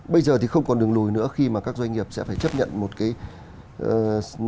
bây giờ thì không còn đường lùi nữa khi mà các doanh nghiệp sẽ phải chấp nhận một cái gọi là luật chơi mới